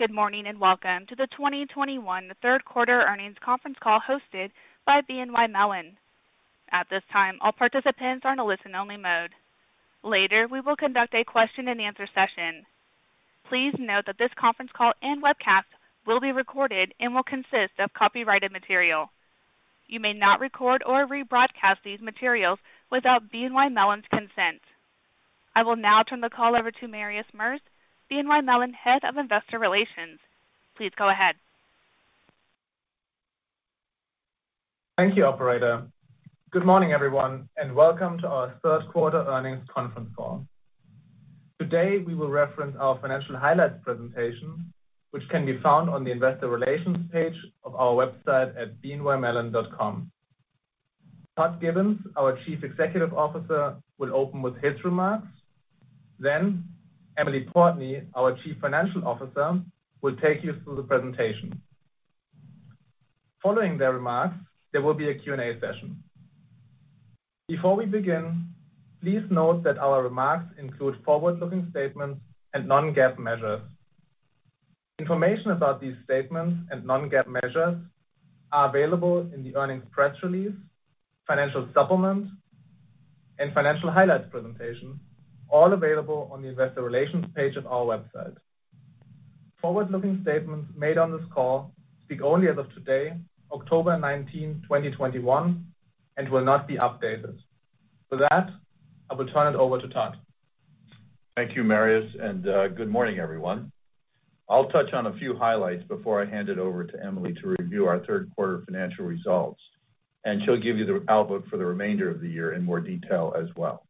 Good morning, welcome to the 2021 Third Quarter Earnings Conference Call hosted by BNY Mellon. At this time, all participants are in a listen-only mode. Later, we will conduct a question and answer session. Please note that this conference call and webcast will be recorded and will consist of copyrighted material. You may not record or rebroadcast these materials without BNY Mellon's consent. I will now turn the call over to Marius Merz, BNY Mellon Head of Investor Relations. Please go ahead. Thank you, operator. Good morning, everyone, and welcome to our third quarter earnings conference call. Today we will reference our financial highlights presentation, which can be found on the investor relations page of our website at bnymellon.com. Todd Gibbons, our Chief Executive Officer, will open with his remarks. Emily Portney, our Chief Financial Officer, will take you through the presentation. Following their remarks, there will be a Q&A session. Before we begin, please note that our remarks include forward-looking statements and non-GAAP measures. Information about these statements and non-GAAP measures are available in the earnings press release, financial supplement, and financial highlights presentation, all available on the investor relations page of our website. Forward-looking statements made on this call speak only as of today, October 19, 2021, and will not be updated. With that, I will turn it over to Todd. Thank you, Marius, and good morning, everyone. I'll touch on a few highlights before I hand it over to Emily to review our third quarter financial results, and she'll give you the outlook for the remainder of the year in more detail as well.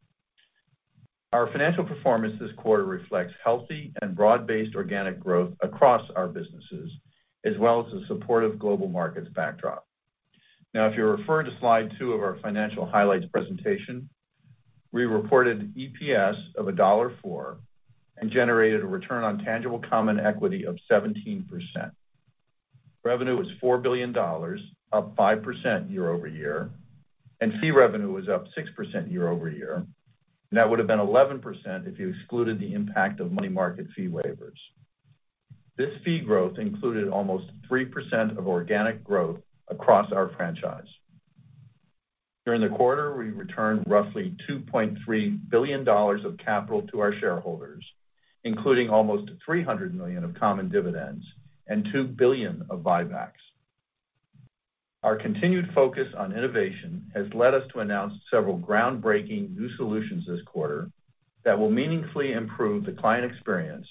Our financial performance this quarter reflects healthy and broad-based organic growth across our businesses, as well as the support of global markets backdrop. Now, if you refer to slide two of our financial highlights presentation, we reported EPS of $1.04 and generated a return on tangible common equity of 17%. Revenue was $4 billion, up 5% year-over-year, and fee revenue was up 6% year-over-year. That would have been 11% if you excluded the impact of money market fee waivers. This fee growth included almost 3% of organic growth across our franchise. During the quarter, we returned roughly $2.3 billion of capital to our shareholders, including almost $300 million of common dividends and $2 billion of buybacks. Our continued focus on innovation has led us to announce several groundbreaking new solutions this quarter that will meaningfully improve the client experience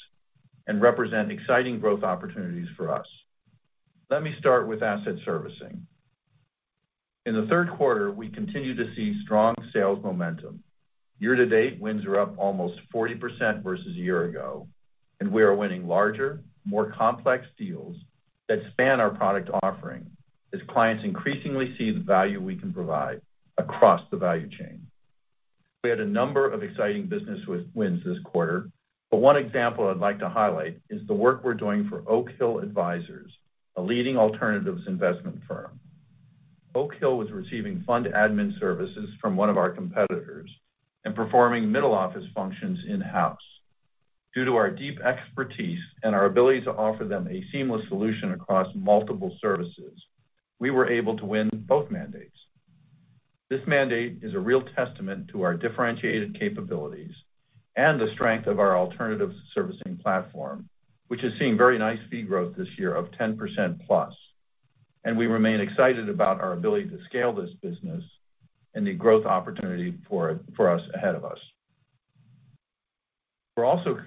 and represent exciting growth opportunities for us. Let me start with asset servicing. In the third quarter, we continued to see strong sales momentum. Year to date, wins are up almost 40% versus a year ago. We are winning larger, more complex deals that span our product offering as clients increasingly see the value we can provide across the value chain. We had a number of exciting business wins this quarter. One example I'd like to highlight is the work we're doing for Oak Hill Advisors, a leading alternatives investment firm. Oak Hill was receiving fund admin services from one of our competitors and performing middle office functions in-house. Due to our deep expertise and our ability to offer them a seamless solution across multiple services, we were able to win both mandates. This mandate is a real testament to our differentiated capabilities and the strength of our alternative servicing platform, which is seeing very nice fee growth this year of 10%+. We remain excited about our ability to scale this business and the growth opportunity for us ahead of us. We're also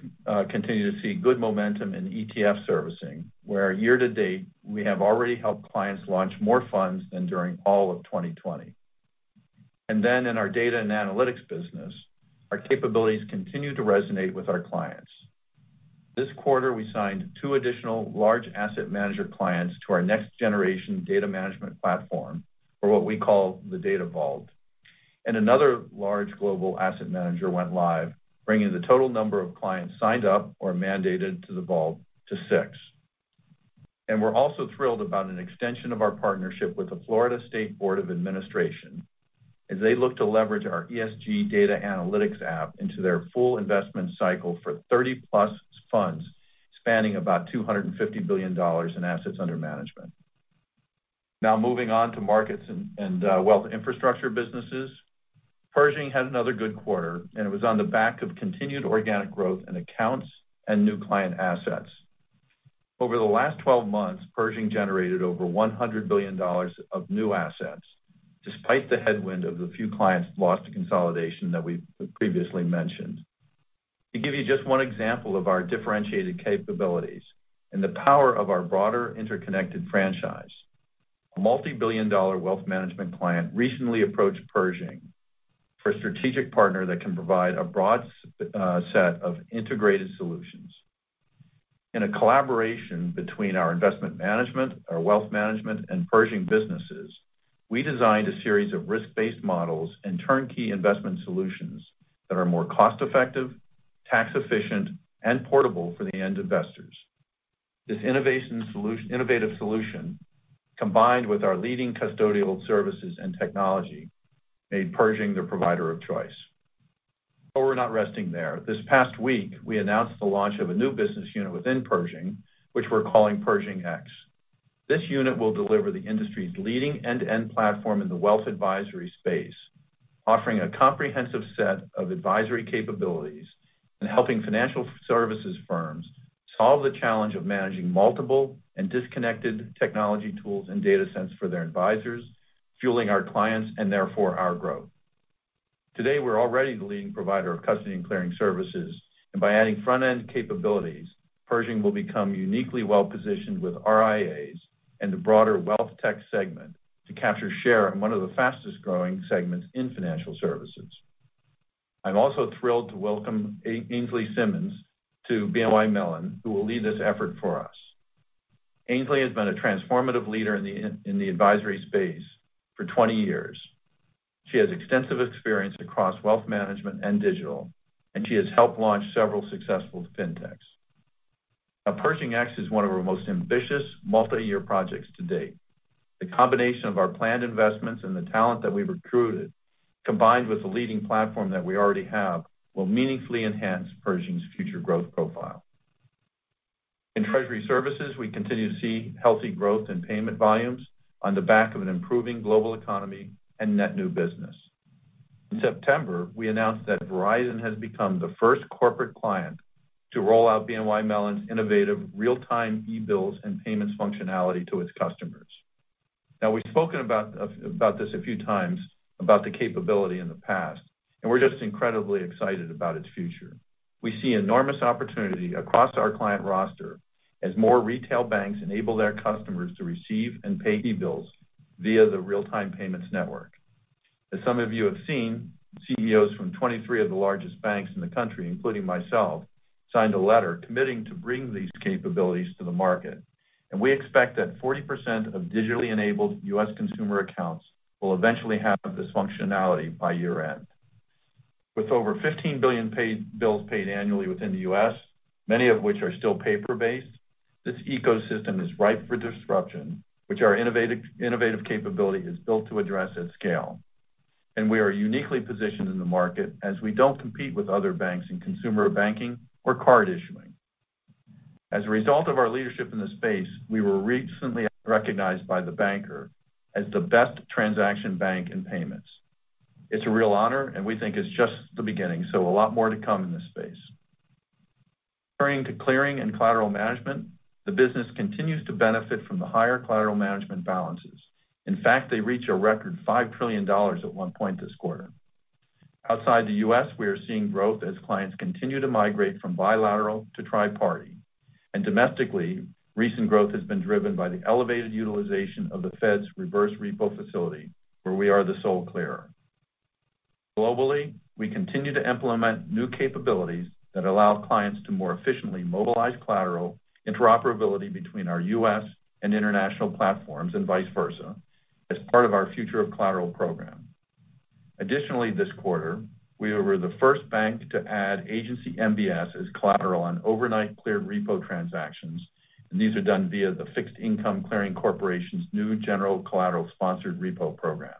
continuing to see good momentum in ETF servicing, where year to date, we have already helped clients launch more funds than during all of 2020. In our data and analytics business, our capabilities continue to resonate with our clients. This quarter, we signed two additional large asset manager clients to our next generation data management platform, or what we call the Data Vault. Another large global asset manager went live, bringing the total number of clients signed up or mandated to the Vault to six. We're also thrilled about an extension of our partnership with the Florida State Board of Administration as they look to leverage our ESG data analytics app into their full investment cycle for 30+ funds, spanning about $250 billion in assets under management. Now moving on to markets and wealth infrastructure businesses. Pershing had another good quarter, and it was on the back of continued organic growth in accounts and new client assets. Over the last 12 months, Pershing generated over $100 billion of new assets, despite the headwind of the few clients lost to consolidation that we previously mentioned. To give you just one example of our differentiated capabilities and the power of our broader interconnected franchise, a multi-billion dollar wealth management client recently approached Pershing for a strategic partner that can provide a broad set of integrated solutions. In a collaboration between our investment management, our wealth management, and Pershing businesses, we designed a series of risk-based models and turnkey investment solutions that are more cost-effective, tax efficient, and portable for the end investors. We're not resting there. This past week, we announced the launch of a new business unit within Pershing, which we're calling Pershing X. This unit will deliver the industry's leading end-to-end platform in the wealth advisory space, offering a comprehensive set of advisory capabilities and helping financial services firms solve the challenge of managing multiple and disconnected technology tools and data sets for their advisors, fueling our clients, and therefore, our growth. Today, we're already the leading provider of custody and clearing services, and by adding front-end capabilities, Pershing will become uniquely well-positioned with RIAs and the broader wealth tech segment to capture share in one of the fastest-growing segments in financial services. I'm also thrilled to welcome Ainslie Simmonds to BNY Mellon, who will lead this effort for us. Ainslie has been a transformative leader in the advisory space for 20 years. She has extensive experience across wealth management and digital, and she has helped launch several successful fintechs. Pershing X is one of our most ambitious multi-year projects to date. The combination of our planned investments and the talent that we recruited, combined with the leading platform that we already have, will meaningfully enhance Pershing's future growth profile. In treasury services, we continue to see healthy growth in payment volumes on the back of an improving global economy and net new business. In September, we announced that Verizon has become the first corporate client to roll out BNY Mellon's innovative real-time e-bills and payments functionality to its customers. Now, we've spoken about this a few times about the capability in the past, and we're just incredibly excited about its future. We see enormous opportunity across our client roster as more retail banks enable their customers to receive and pay e-bills via the real-time payments network. As some of you have seen, CEOs from 23 of the largest banks in the country, including myself, signed a letter committing to bring these capabilities to the market. We expect that 40% of digitally enabled U.S. consumer accounts will eventually have this functionality by year-end. With over 15 billion bills paid annually within the U.S., many of which are still paper-based, this ecosystem is ripe for disruption, which our innovative capability is built to address at scale. We are uniquely positioned in the market as we don't compete with other banks in consumer banking or card issuing. As a result of our leadership in the space, we were recently recognized by The Banker as the best transaction bank in payments. It's a real honor, and we think it's just the beginning, so a lot more to come in this space. Turning to clearing and collateral management. The business continues to benefit from the higher collateral management balances. In fact, they reached a record $5 trillion at one point this quarter. Outside the U.S., we are seeing growth as clients continue to migrate from bilateral to tri-party. Domestically, recent growth has been driven by the elevated utilization of the Fed's reverse repo facility, where we are the sole clearer. Globally, we continue to implement new capabilities that allow clients to more efficiently mobilize collateral interoperability between our U.S. and international platforms, and vice versa, as part of our Future of Collateral Program. Additionally, this quarter, we were the first bank to add agency MBS as collateral on overnight cleared repo transactions, and these are done via the Fixed Income Clearing Corporation's new General Collateral-Sponsored Repo Program.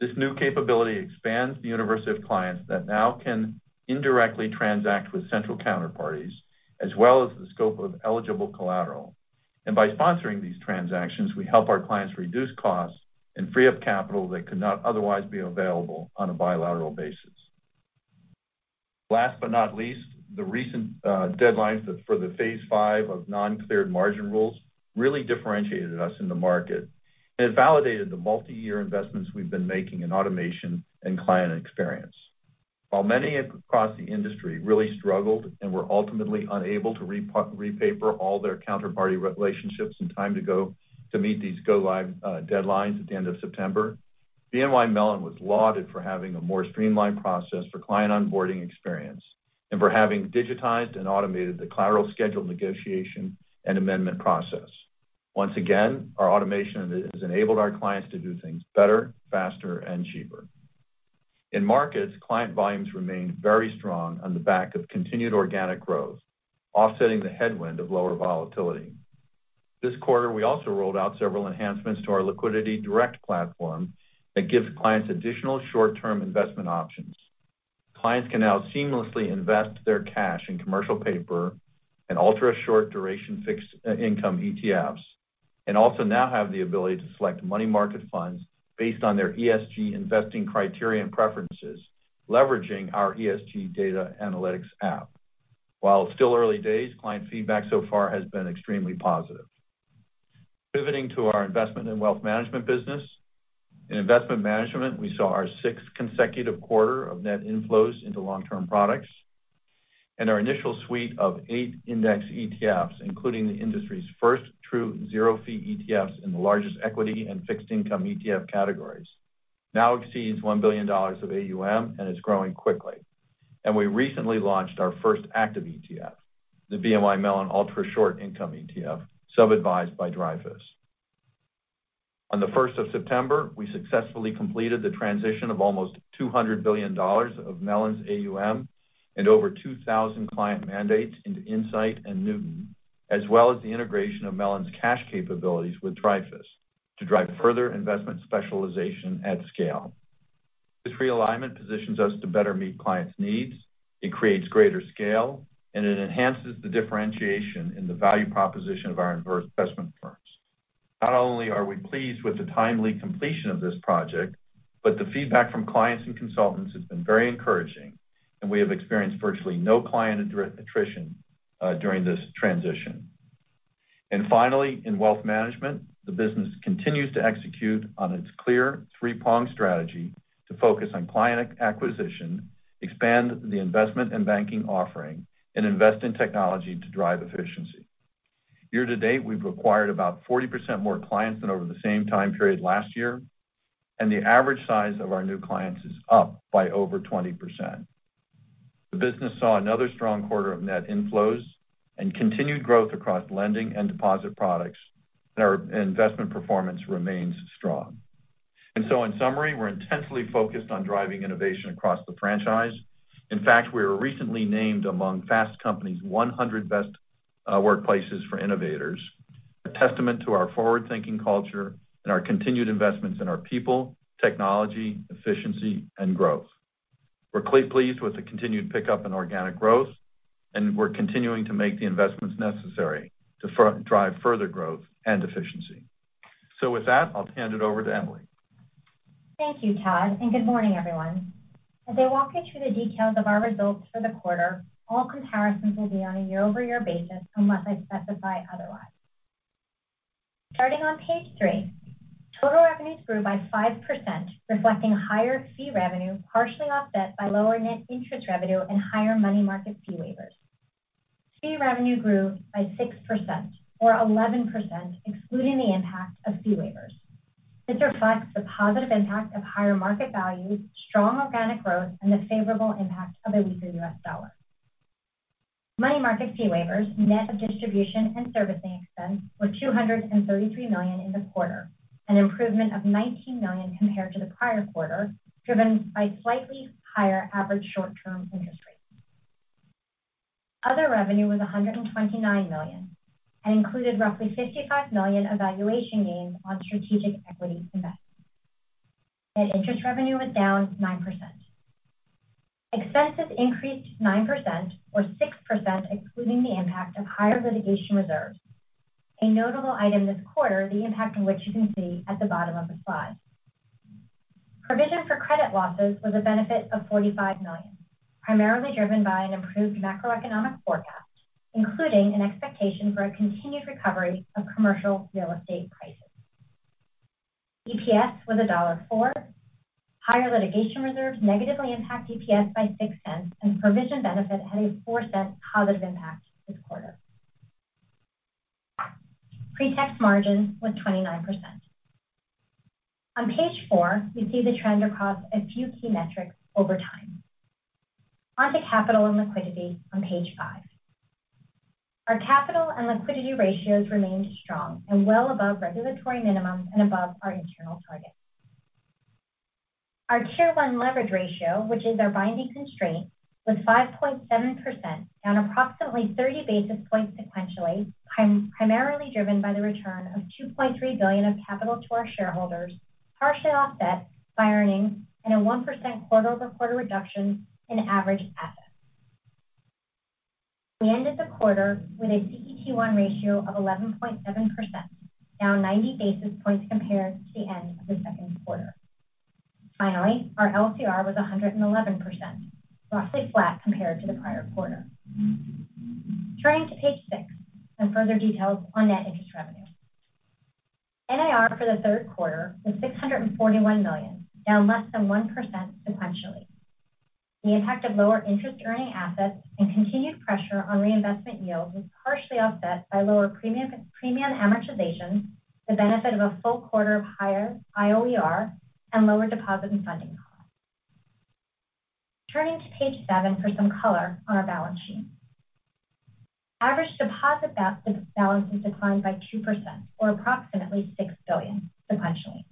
This new capability expands the universe of clients that now can indirectly transact with central counterparties, as well as the scope of eligible collateral. By sponsoring these transactions, we help our clients reduce costs and free up capital that could not otherwise be available on a bilateral basis. Last but not least, the recent deadlines for the phase V of uncleared margin rules really differentiated us in the market and validated the multi-year investments we've been making in automation and client experience. While many across the industry really struggled and were ultimately unable to repaper all their counterparty relationships in time to meet these go-live deadlines at the end of September, BNY Mellon was lauded for having a more streamlined process for client onboarding experience and for having digitized and automated the collateral schedule negotiation and amendment process. Once again, our automation has enabled our clients to do things better, faster, and cheaper. In markets, client volumes remained very strong on the back of continued organic growth, offsetting the headwind of lower volatility. This quarter, we also rolled out several enhancements to our LiquidityDirect platform that gives clients additional short-term investment options. Clients can now seamlessly invest their cash in commercial paper and ultra-short duration fixed income ETFs, and also now have the ability to select money market funds based on their ESG investing criterion preferences, leveraging our ESG data analytics app. While it's still early days, client feedback so far has been extremely positive. Pivoting to our investment and wealth management business. In investment management, we saw our sixth consecutive quarter of net inflows into long-term products. Our initial suite of eight index ETFs, including the industry's first true zero-fee ETFs in the largest equity and fixed income ETF categories, now exceeds $1 billion of AUM and is growing quickly. We recently launched our first active ETF, the BNY Mellon Ultra Short Income ETF, sub-advised by Dreyfus. On the September 1st, we successfully completed the transition of almost $200 billion of Mellon's AUM and over 2,000 client mandates into Insight and Newton, as well as the integration of Mellon's cash capabilities with Dreyfus to drive further investment specialization at scale. This realignment positions us to better meet clients' needs, it creates greater scale, and it enhances the differentiation in the value proposition of our investment firms. Not only are we pleased with the timely completion of this project, but the feedback from clients and consultants has been very encouraging, and we have experienced virtually no client attrition during this transition. Finally, in wealth management, the business continues to execute on its clear three-pronged strategy to focus on client acquisition, expand the investment and banking offering, and invest in technology to drive efficiency. Year to date, we've acquired about 40% more clients than over the same time period last year, and the average size of our new clients is up by over 20%. The business saw another strong quarter of net inflows and continued growth across lending and deposit products, and our investment performance remains strong. In summary, we're intensely focused on driving innovation across the franchise. In fact, we were recently named among Fast Company's 100 Best Workplaces for Innovators, a testament to our forward-thinking culture and our continued investments in our people, technology, efficiency, and growth. We're pleased with the continued pickup in organic growth, and we're continuing to make the investments necessary to drive further growth and efficiency. With that, I'll hand it over to Emily. Thank you, Todd. Good morning, everyone. As I walk you through the details of our results for the quarter, all comparisons will be on a year-over-year basis unless I specify otherwise. Starting on page three. Total revenues grew by 5%, reflecting higher fee revenue, partially offset by lower net interest revenue and higher money market fee waivers. Fee revenue grew by 6%, or 11% excluding the impact of fee waivers. This reflects the positive impact of higher market values, strong organic growth, and the favorable impact of a weaker U.S. dollar. Money market fee waivers, net of distribution and servicing expense, were $233 million in the quarter, an improvement of $19 million compared to the prior quarter, driven by slightly higher average short-term interest rates. Other revenue was $129 million and included roughly $55 million of valuation gains on strategic equity investments. Net interest revenue was down 9%. Expenses increased 9%, or 6% excluding the impact of higher litigation reserves. A notable item this quarter, the impact of which you can see at the bottom of the slide. Provision for credit losses was a benefit of $45 million, primarily driven by an improved macroeconomic forecast, including an expectation for a continued recovery of commercial real estate prices. EPS was $1.04. Higher litigation reserves negatively impact EPS by $0.06, and provision benefit had a $0.04 positive impact this quarter. Pre-tax margin was 29%. On page four, we see the trend across a few key metrics over time. On to capital and liquidity on page five. Our capital and liquidity ratios remained strong and well above regulatory minimums and above our internal targets. Our Tier 1 leverage ratio, which is our binding constraint, was 5.7%, down approximately 30 basis points sequentially, primarily driven by the return of $2.3 billion of capital to our shareholders, partially offset by earnings and a 1% quarter-over-quarter reduction in average assets. We ended the quarter with a CET1 ratio of 11.7%, down 90 basis points compared to the end of the second quarter. Finally, our LCR was 111%, roughly flat compared to the prior quarter. Turning to page six for further details on net interest revenue. NIR for the third quarter was $641 million, down less than 1% sequentially. The impact of lower interest earning assets and continued pressure on reinvestment yield was partially offset by lower premium amortization, the benefit of a full quarter of higher IOER, and lower deposit and funding costs. Turning to page seven for some color on our balance sheet. Average deposit balances declined by 2%, or approximately $6 billion sequentially.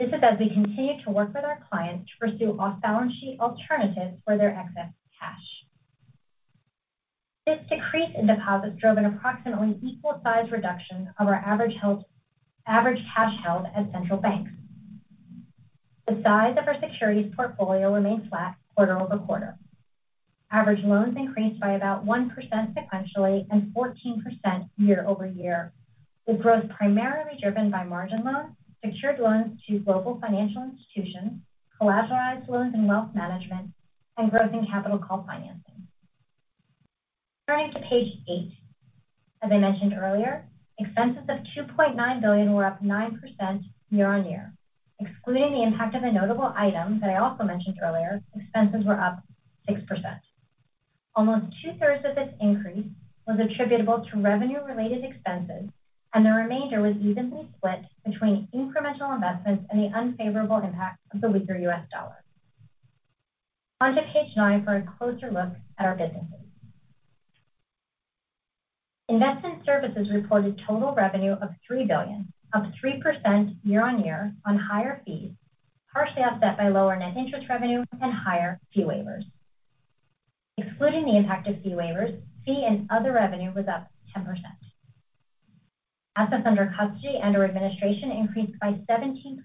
This is as we continue to work with our clients to pursue off-balance sheet alternatives for their excess cash. This decrease in deposits drove an approximately equal size reduction of our average cash held at central banks. The size of our securities portfolio remained flat quarter-over-quarter. Average loans increased by about 1% sequentially and 14% year-over-year, with growth primarily driven by margin loans, secured loans to global financial institutions, collateralized loans and wealth management, and growth in capital call financing. Turning to page eight. As I mentioned earlier, expenses of $2.9 billion were up 9% year-on-year. Excluding the impact of a notable item that I also mentioned earlier, expenses were up 6%. Almost two-thirds of this increase was attributable to revenue-related expenses. The remainder was evenly split between incremental investments and the unfavorable impact of the weaker U.S. dollar. On to page nine for a closer look at our businesses. Investment Services reported total revenue of $3 billion, up 3% year-on-year on higher fees, partially offset by lower net interest revenue and higher fee waivers. Excluding the impact of fee waivers, fee and other revenue was up 10%. Assets under Custody and/or Administration increased by 17%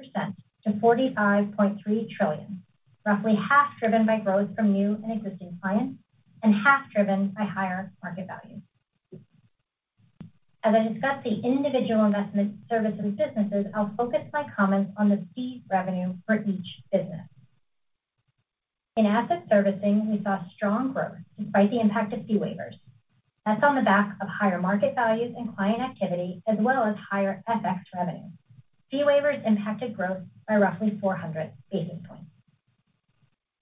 to $45.3 trillion, roughly half driven by growth from new and existing clients, and half driven by higher market value. As I discuss the individual Investment Services businesses, I'll focus my comments on the fees revenue for each business. In Asset Servicing, we saw strong growth despite the impact of fee waivers. That's on the back of higher market values and client activity, as well as higher FX revenue. Fee waivers impacted growth by roughly 400 basis points.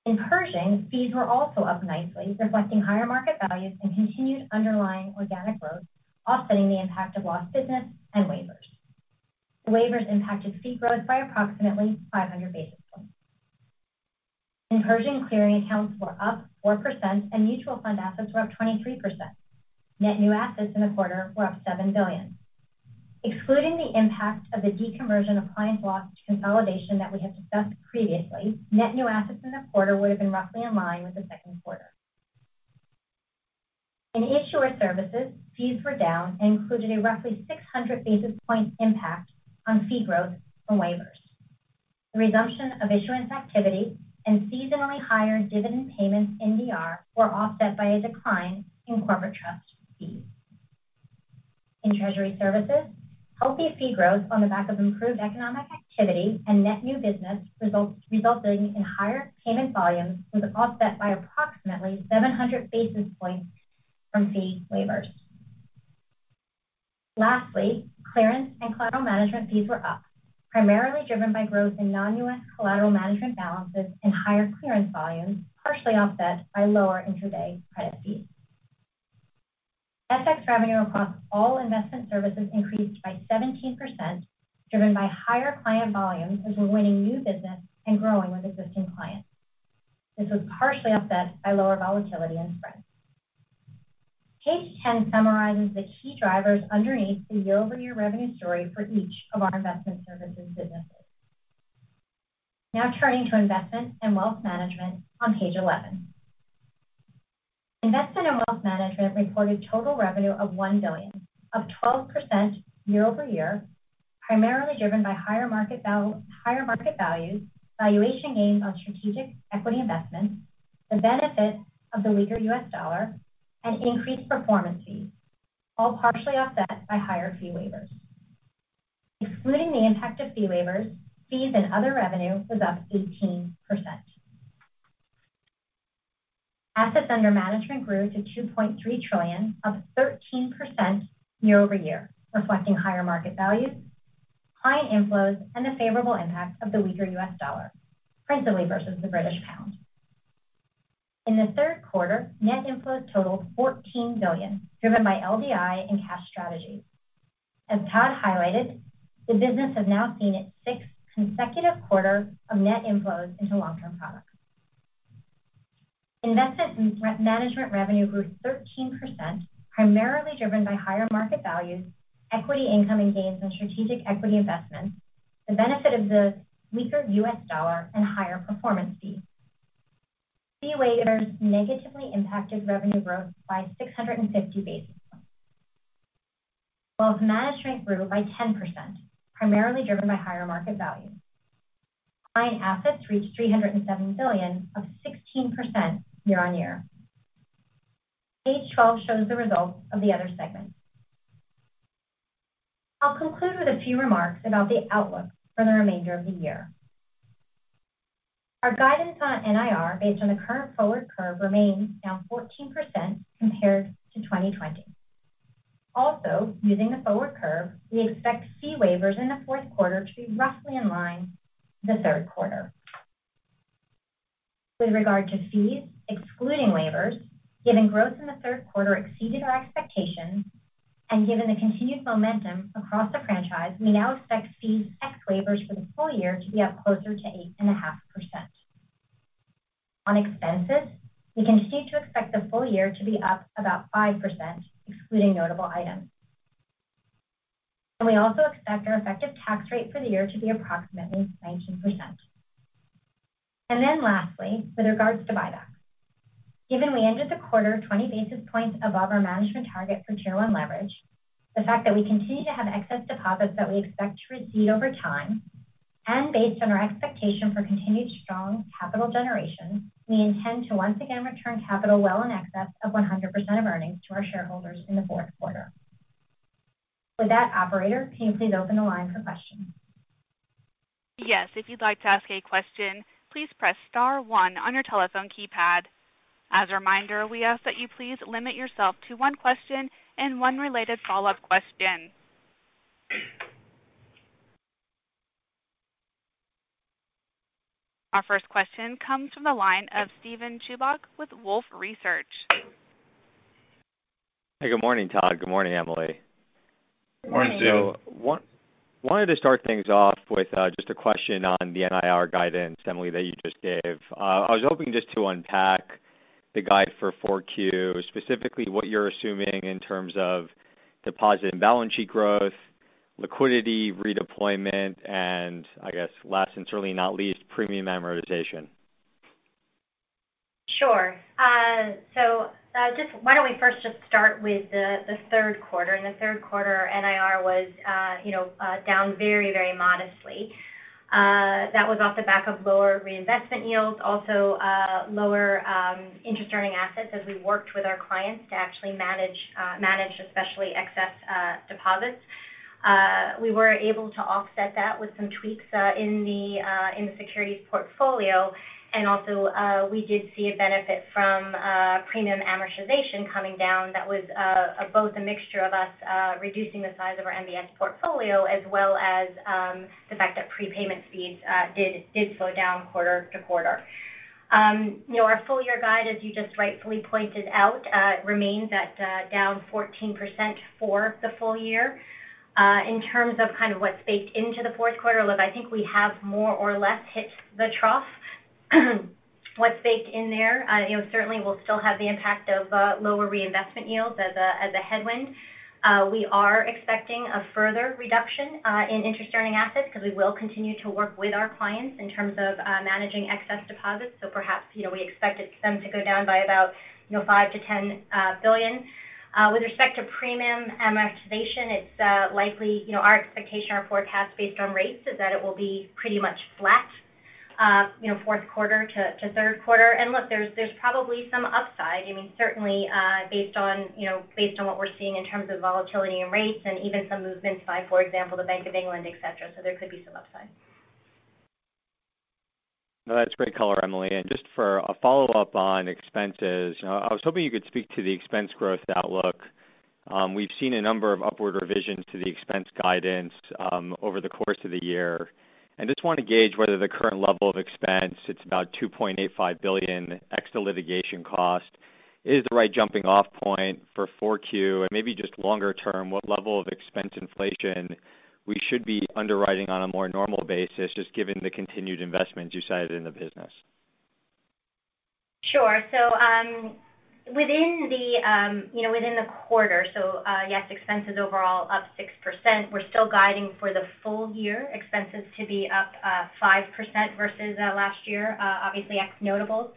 In Pershing, fees were also up nicely, reflecting higher market values and continued underlying organic growth, offsetting the impact of lost business and waivers. Waivers impacted fee growth by approximately 500 basis points. In Pershing, clearing accounts were up 4%, and mutual fund assets were up 23%. Net new assets in the quarter were up $7 billion. Excluding the impact of the deconversion of client loss to consolidation that we had discussed previously, net new assets in the quarter would've been roughly in line with the second quarter. In issuer services, fees were down and included a roughly 600 basis point impact on fee growth from waivers. The resumption of issuance activity and seasonally higher dividend payments in DR were offset by a decline in corporate trust fees. In treasury services, healthy fee growth on the back of improved economic activity and net new business resulting in higher payment volumes was offset by approximately 700 basis points from fee waivers. Lastly, clearance and collateral management fees were up, primarily driven by growth in non-U.S. collateral management balances and higher clearance volumes, partially offset by lower intraday credit fees. FX revenue across all investment services increased by 17%, driven by higher client volumes as we're winning new business and growing with existing clients. This was partially offset by lower volatility and spreads. Page 10 summarizes the key drivers underneath the year-over-year revenue story for each of our investment services businesses. Now turning to investment and wealth management on page 11. Investment and wealth management reported total revenue of $1 billion, up 12% year-over-year, primarily driven by higher market values, valuation gains on strategic equity investments, the benefit of the weaker U.S. dollar, and increased performance fees, all partially offset by higher fee waivers. Excluding the impact of fee waivers, fees and other revenue was up 18%. Assets under management grew to $2.3 trillion, up 13% year-over-year, reflecting higher market values, client inflows, and the favorable impact of the weaker U.S. dollar, principally versus the British pound. In the third quarter, net inflows totaled $14 billion, driven by LDI and cash strategies. As Todd Gibbons highlighted, the business has now seen its sixth consecutive quarter of net inflows into long-term products. Investment management revenue grew 13%, primarily driven by higher market values, equity income and gains in strategic equity investments, the benefit of the weaker U.S. dollar, and higher performance fees. Fee waivers negatively impacted revenue growth by 650 basis points. Wealth management grew by 10%, primarily driven by higher market value. Client assets reached $307 billion, up 16% year-over-year. Page 12 shows the results of the other segments. I'll conclude with a few remarks about the outlook for the remainder of the year. Our guidance on NIR based on the current forward curve remains down 14% compared to 2020. Using the forward curve, we expect fee waivers in the fourth quarter to be roughly in line with the third quarter. With regard to fees, excluding waivers, given growth in the third quarter exceeded our expectations, and given the continued momentum across the franchise, we now expect fees ex waivers for the full year to be up closer to 8.5%. On expenses, we continue to expect the full year to be up about 5%, excluding notable items. We also expect our effective tax rate for the year to be approximately 19%. Lastly, with regards to buybacks, given we ended the quarter 20 basis points above our management target for Tier 1 leverage, the fact that we continue to have excess deposits that we expect to recede over time, and based on our expectation for continued strong capital generation, we intend to once again return capital well in excess of 100% of earnings to our shareholders in the fourth quarter. With that, operator, can you please open the line for questions? Yes. If you'd like to ask a question, please press star one on your telephone keypad. As a reminder, we ask that you please limit yourself to one question and one related follow-up question. Our first question comes from the line of Steven Chubak with Wolfe Research. Hey, good morning, Todd. Good morning, Emily. Morning, Steve. Wanted to start things off with just a question on the NIR guidance, Emily, that you just gave. I was hoping just to unpack the guide for 4Q, specifically what you're assuming in terms of deposit and balance sheet growth, liquidity redeployment, and I guess last and certainly not least, premium amortization. Sure. Just why don't we first just start with the third quarter. In the third quarter, NIR was down very modestly. That was off the back of lower reinvestment yields, also lower interest-earning assets as we worked with our clients to actually manage especially excess deposits. We were able to offset that with some tweaks in the securities portfolio. Also, we did see a benefit from premium amortization coming down that was both a mixture of us reducing the size of our MBS portfolio, as well as the fact that prepayment speeds did slow down quarter-to-quarter. Our full-year guide, as you just rightfully pointed out, remains at down 14% for the full year. In terms of what's baked into the fourth quarter, look, I think we have more or less hit the trough. What's baked in there, certainly we'll still have the impact of lower reinvestment yields as a headwind. We are expecting a further reduction in interest-earning assets because we will continue to work with our clients in terms of managing excess deposits. Perhaps, we expected them to go down by about $5 billion-$10 billion. With respect to premium amortization, our expectation, our forecast based on rates is that it will be pretty much flat fourth quarter to third quarter. Look, there's probably some upside. Certainly, based on what we're seeing in terms of volatility in rates and even some movements by, for example, the Bank of England, et cetera. There could be some upside. No, that's great color, Emily. Just for a follow-up on expenses, I was hoping you could speak to the expense growth outlook. We've seen a number of upward revisions to the expense guidance over the course of the year. Just want to gauge whether the current level of expense, it's about $2.85 billion ex the litigation cost, is the right jumping-off point for 4Q and maybe just longer term, what level of expense inflation we should be underwriting on a more normal basis, just given the continued investments you cited in the business. Sure. Within the quarter, yes, expenses overall up 6%. We're still guiding for the full year expenses to be up 5% versus last year, obviously ex notables.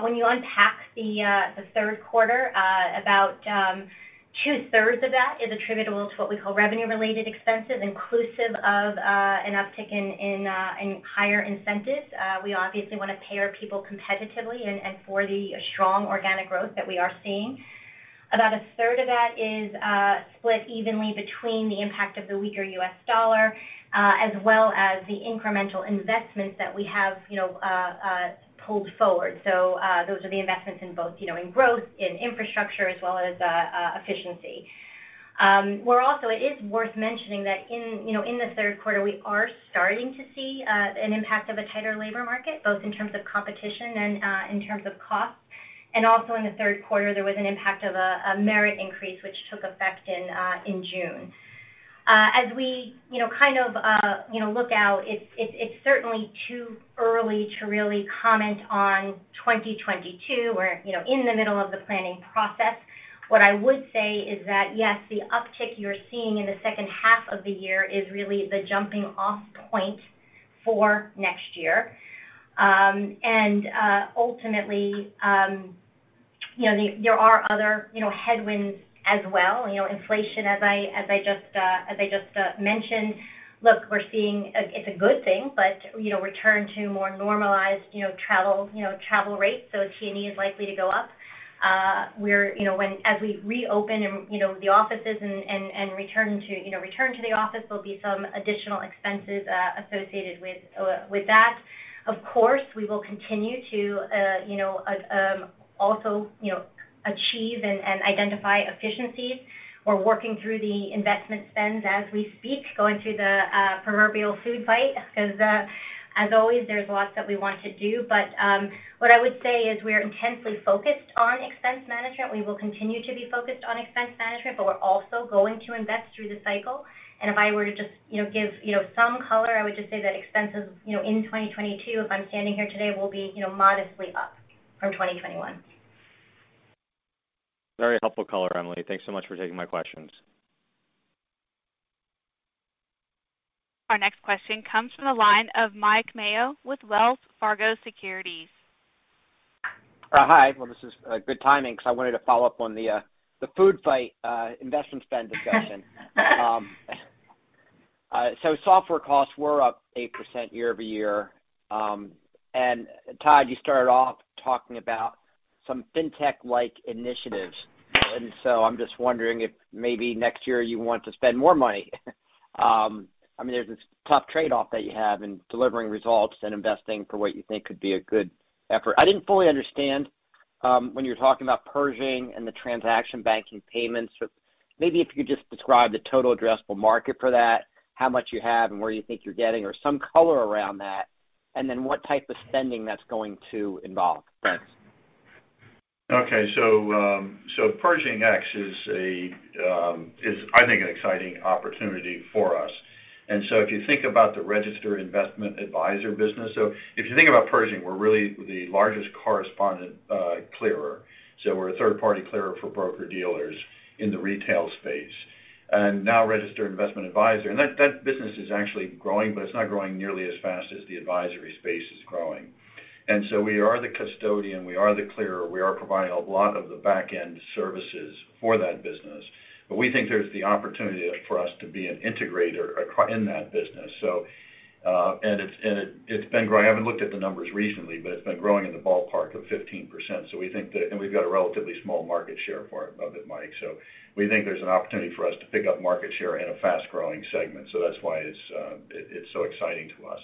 When you unpack the third quarter, about two-thirds of that is attributable to what we call revenue-related expenses, inclusive of an uptick in higher incentives. We obviously want to pay our people competitively and for the strong organic growth that we are seeing. About a third of that is split evenly between the impact of the weaker U.S. dollar as well as the incremental investments that we have pulled forward. Those are the investments in both growth, in infrastructure as well as efficiency. It is worth mentioning that in the third quarter, we are starting to see an impact of a tighter labor market, both in terms of competition and in terms of cost. Also in the third quarter, there was an impact of a merit increase, which took effect in June. As we look out, it's certainly too early to really comment on 2022. We're in the middle of the planning process. What I would say is that, yes, the uptick you're seeing in the second half of the year is really the jumping-off point for next year. Ultimately, there are other headwinds as well. Inflation, as I just mentioned. Look, it's a good thing, but return to more normalized travel rates. T&E is likely to go up. As we reopen the offices and return to the office, there'll be some additional expenses associated with that. Of course, we will continue to also achieve and identify efficiencies. We're working through the investment spends as we speak, going through the proverbial food fight because as always, there's lots that we want to do. What I would say is we're intensely focused on expense management. We will continue to be focused on expense management, but we're also going to invest through the cycle. If I were to just give some color, I would just say that expenses in 2022, if I'm standing here today, will be modestly up from 2021. Very helpful color, Emily. Thanks so much for taking my questions. Our next question comes from the line of Mike Mayo with Wells Fargo Securities. Hi. Well, this is good timing because I wanted to follow up on the food fight investment spend discussion. Software costs were up 8% year-over-year. Todd, you started off talking about some fintech-like initiatives. I'm just wondering if maybe next year you want to spend more money. There's this tough trade-off that you have in delivering results and investing for what you think could be a good effort. I didn't fully understand when you were talking about Pershing and the transaction banking payments. Maybe if you could just describe the total addressable market for that, how much you have and where you think you're getting or some color around that, and then what type of spending that's going to involve. Okay. Pershing X is, I think, an exciting opportunity for us. If you think about the registered investment advisor business, if you think about Pershing, we're really the largest correspondent clearer. We're a third-party clearer for broker-dealers in the retail space and now registered investment advisor. That business is actually growing, but it's not growing nearly as fast as the advisory space is growing. We are the custodian, we are the clearer, we are providing a lot of the back-end services for that business. We think there's the opportunity for us to be an integrator in that business. I haven't looked at the numbers recently, but it's been growing in the ballpark of 15%. We've got a relatively small market share of it, Mike. We think there's an opportunity for us to pick up market share in a fast-growing segment. That's why it's so exciting to us.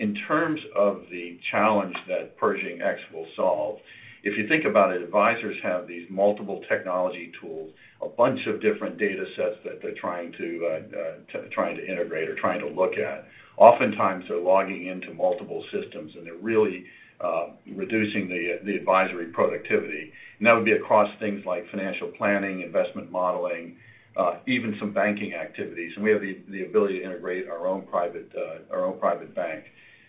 In terms of the challenge that Pershing X will solve, if you think about it, advisors have these multiple technology tools, a bunch of different data sets that they're trying to integrate or trying to look at. Oftentimes, they're logging into multiple systems, they're really reducing the advisory productivity. That would be across things like financial planning, investment modeling even some banking activities. We have the ability to integrate our own private bank.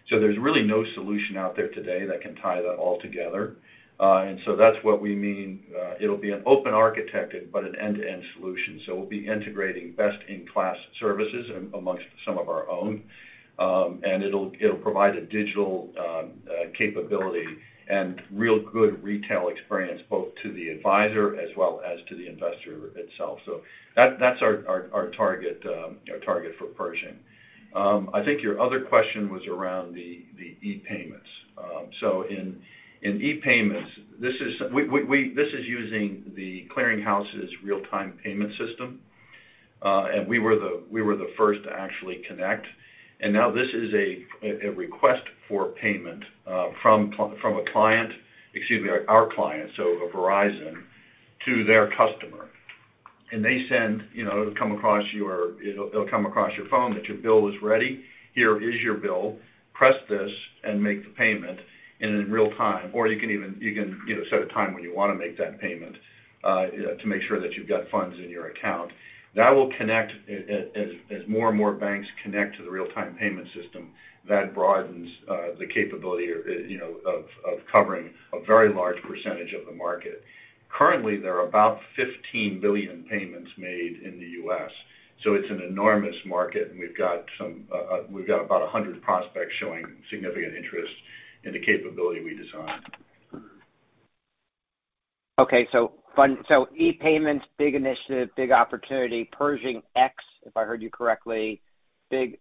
There's really no solution out there today that can tie that all together. That's what we mean. It'll be an open architected, but an end-to-end solution. We'll be integrating best-in-class services amongst some of our own. It'll provide a digital capability and real good retail experience, both to the advisor as well as to the investor itself. That's our target for Pershing. I think your other question was around the ePayments. In ePayments, this is using The Clearing House's real-time payment system. We were the first to actually connect. Now this is a request for payment from our client, so Verizon, to their customer. It'll come across your phone that your bill is ready. Here is your bill. Press this and make the payment and in real time, or you can even set a time when you want to make that payment to make sure that you've got funds in your account. That will connect as more and more banks connect to the real-time payment system that broadens the capability of covering a very large percentage of the market. Currently, there are about 15 billion payments made in the U.S., so it's an enormous market, and we've got about 100 prospects showing significant interest in the capability we designed. Okay. ePayments, big initiative, big opportunity. Pershing X, if I heard you correctly, big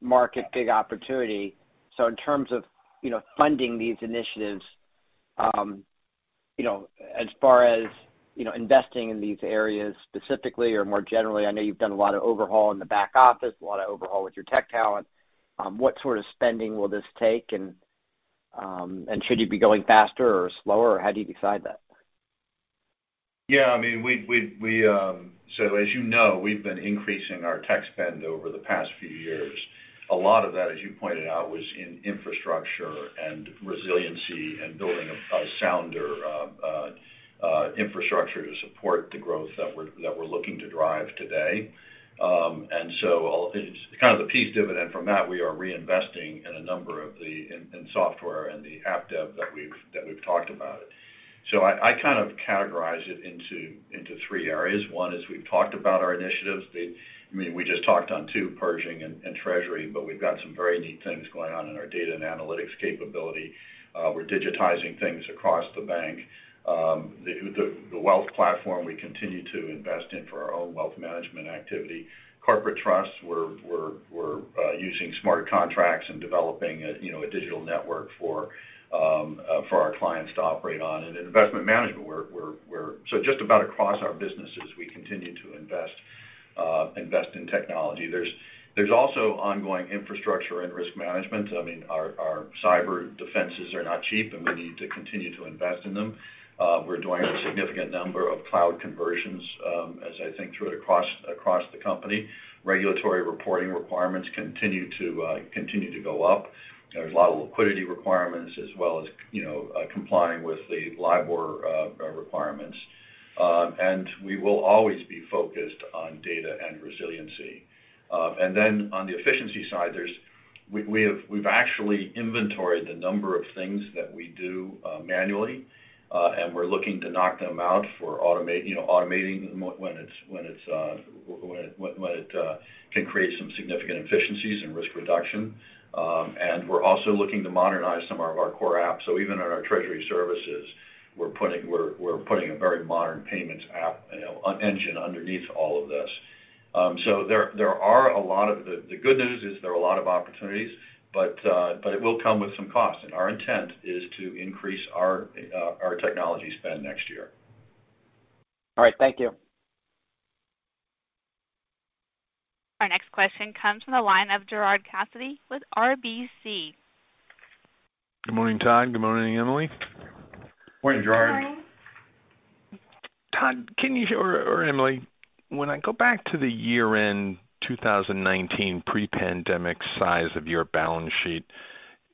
market, big opportunity. In terms of funding these initiatives as far as investing in these areas specifically or more generally, I know you've done a lot of overhaul in the back office, a lot of overhaul with your tech talent. What sort of spending will this take? Should you be going faster or slower, or how do you decide that? Yeah. As you know, we've been increasing our tech spend over the past few years. A lot of that, as you pointed out, was in infrastructure and resiliency and building a sounder infrastructure to support the growth that we're looking to drive today. It's kind of the piece dividend from that we are reinvesting in software and the app dev that we've talked about. I kind of categorize it into three areas. One is we've talked about our initiatives. We just talked on two, Pershing and treasury, but we've got some very neat things going on in our data and analytics capability. We're digitizing things across the bank. The wealth platform we continue to invest in for our own wealth management activity. Corporate trusts, we're using smart contracts and developing a digital network for our clients to operate on. Investment management. Just about across our businesses, we continue to invest in technology. There's also ongoing infrastructure and risk management. Our cyber defenses are not cheap, and we need to continue to invest in them. We're doing a significant number of cloud conversions as I think through it across the company. Regulatory reporting requirements continue to go up. There's a lot of liquidity requirements as well as complying with the LIBOR requirements. We will always be focused on data and resiliency. On the efficiency side, we've actually inventoried the number of things that we do manually. We're looking to knock them out for automating when it can create some significant efficiencies and risk reduction. We're also looking to modernize some of our core apps. Even on our treasury services, we're putting a very modern payments app engine underneath all of this. The good news is there are a lot of opportunities, but it will come with some cost, and our intent is to increase our technology spend next year. All right. Thank you. Our next question comes from the line of Gerard Cassidy with RBC. Good morning, Todd. Good morning, Emily. Morning, Gerard. Todd or Emily, when I go back to the year-end 2019 pre-pandemic size of your balance sheet,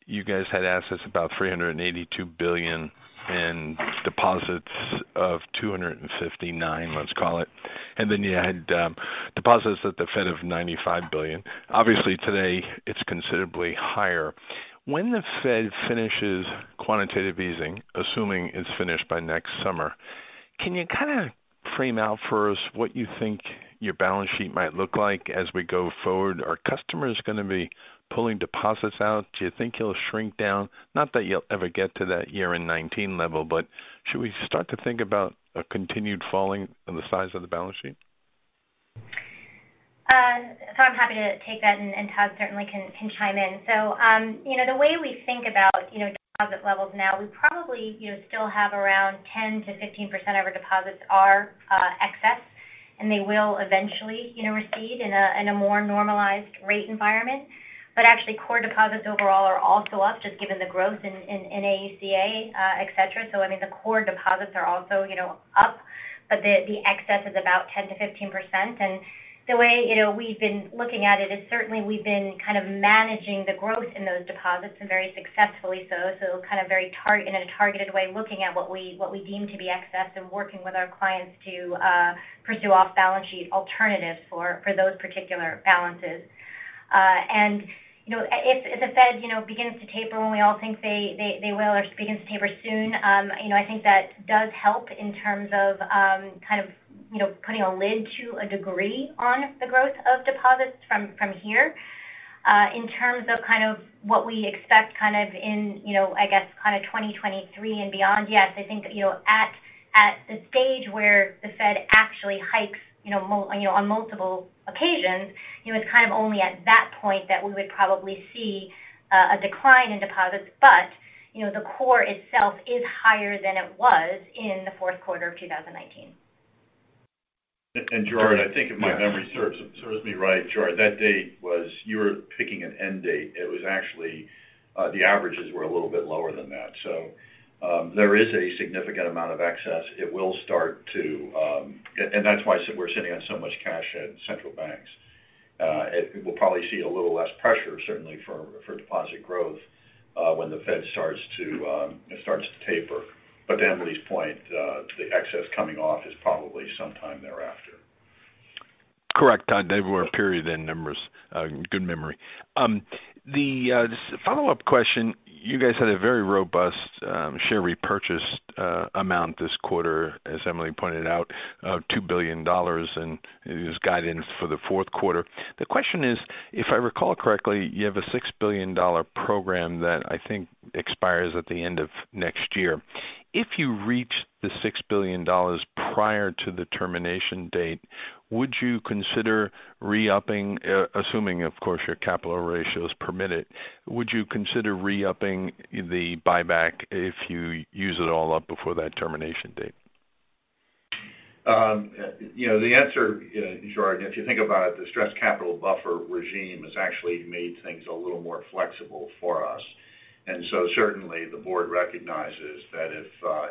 you guys had assets about $382 billion in deposits of $259 billion, let's call it, and then you had deposits at the Fed of $95 billion. Obviously, today, it's considerably higher. When the Fed finishes quantitative easing, assuming it's finished by next summer, can you kind of frame out for us what you think your balance sheet might look like as we go forward? Are customers going to be pulling deposits out? Do you think it'll shrink down? Not that you'll ever get to that year-end 2019 level, but should we start to think about a continued falling in the size of the balance sheet? I'm happy to take that, and Todd certainly can chime in. The way we think about deposit levels now, we probably still have around 10%-15% of our deposits are excess, and they will eventually recede in a more normalized rate environment. Actually, core deposits overall are also up, just given the growth in AUC/A, et cetera. The core deposits are also up. The excess is about 10%-15%. The way we've been looking at it is certainly we've been kind of managing the growth in those deposits, and very successfully so. Kind of in a targeted way, looking at what we deem to be excess and working with our clients to pursue off-balance sheet alternatives for those particular balances. If the Fed begins to taper, and we all think they will or begins to taper soon, I think that does help in terms of kind of putting a lid to a degree on the growth of deposits from here. In terms of kind of what we expect kind of in, I guess kind of 2023 and beyond, yes, I think at the stage where the Fed actually hikes on multiple occasions, it's kind of only at that point that we would probably see a decline in deposits. The core itself is higher than it was in the fourth quarter of 2019. Gerard, I think if my memory serves me right, Gerard, that date was you were picking an end date. It was actually the averages were a little bit lower than that. There is a significant amount of excess. It will start to and that's why we're sitting on so much cash at central banks. We'll probably see a little less pressure, certainly for deposit growth, when the Fed starts to taper. To Emily's point, the excess coming off is probably sometime thereafter. Correct, Todd. They were period end numbers. Good memory. The follow-up question, you guys had a very robust share repurchase amount this quarter, as Emily pointed out, of $2 billion, and there's guidance for the fourth quarter. The question is, if I recall correctly, you have a $6 billion program that I think expires at the end of next year. If you reach the $6 billion prior to the termination date, would you consider re-upping, assuming of course your capital ratio is permitted, would you consider re-upping the buyback if you use it all up before that termination date? The answer, Gerard, if you think about it, the stress capital buffer regime has actually made things a little more flexible for us. Certainly the board recognizes that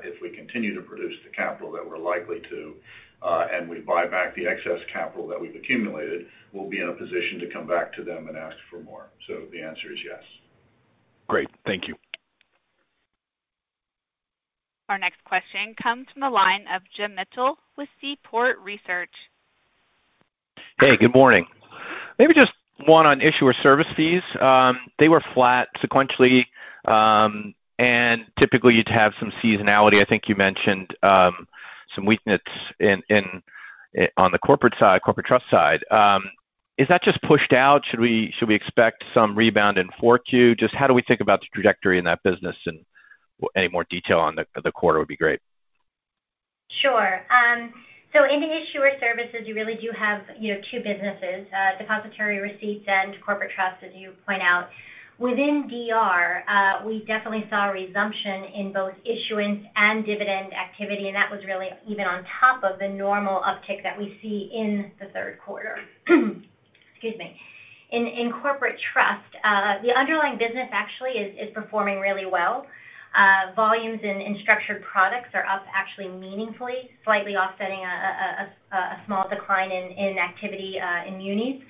if we continue to produce the capital that we're likely to, and we buy back the excess capital that we've accumulated, we'll be in a position to come back to them and ask for more. The answer is yes. Great. Thank you. Our next question comes from the line of Jim Mitchell with Seaport Research. Hey, good morning. Maybe just one on issuer service fees. They were flat sequentially. Typically, you'd have some seasonality. I think you mentioned some weakness on the corporate side, corporate trust side. Is that just pushed out? Should we expect some rebound in 4Q? Just how do we think about the trajectory in that business, and any more detail on the quarter would be great. Sure. In the issuer services, you really do have two businesses, depositary receipts and corporate trust, as you point out. Within DR, we definitely saw a resumption in both issuance and dividend activity, and that was really even on top of the normal uptick that we see in the third quarter. Excuse me. In corporate trust, the underlying business actually is performing really well. Volumes in structured products are up actually meaningfully, slightly offsetting a small decline in activity in munis.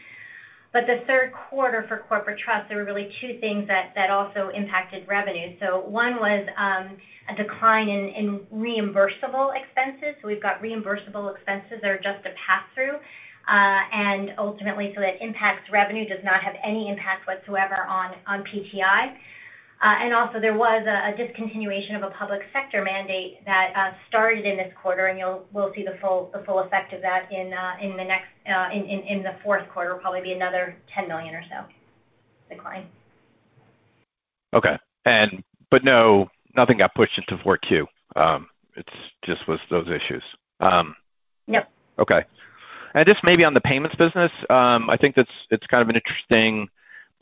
The third quarter for corporate trust, there were really two things that also impacted revenue. One was a decline in reimbursable expenses. We've got reimbursable expenses that are just a pass-through. Ultimately, so that impacts revenue, does not have any impact whatsoever on PTI. Also there was a discontinuation of a public sector mandate that started in this quarter, and we will see the full effect of that in the fourth quarter, probably be another $10 million or so decline. Okay. No, nothing got pushed into 4Q. It just was those issues. Yep. Okay. Just maybe on the payments business, I think it's kind of an interesting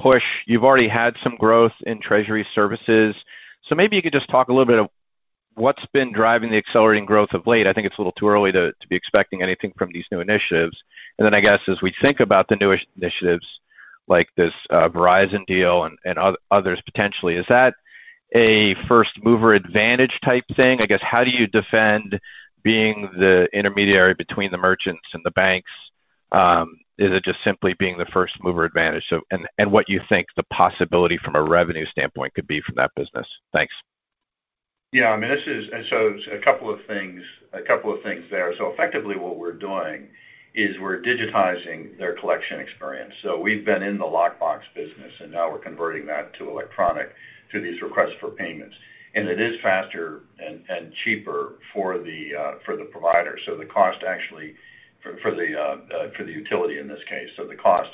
push. You've already had some growth in Treasury services. Maybe you could just talk a little bit of what's been driving the accelerating growth of late. I think it's a little too early to be expecting anything from these new initiatives. I guess as we think about the new initiatives like this Verizon deal and others potentially. Is that a first mover advantage type thing? I guess, how do you defend being the intermediary between the merchants and the banks? Is it just simply being the first mover advantage? What you think the possibility from a revenue standpoint could be from that business? Thanks. Yeah. It's a couple of things there. Effectively what we're doing is we're digitizing their collection experience. We've been in the lockbox business and now we're converting that to electronic, to these requests for payments. It is faster and cheaper for the provider. The cost actually for the utility in this case. The cost